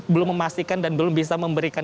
belum memastikan dan belum bisa memberikan